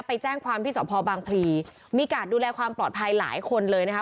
ไปแจ้งความที่สพบางพลีมีการดูแลความปลอดภัยหลายคนเลยนะคะ